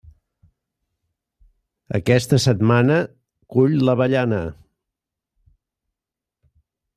Aquesta setmana, cull l'avellana.